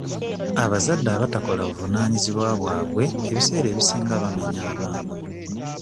Abazadde abatakola buvunaanyizibwa bwabwe ebiseera ebisinga bamenya abaana.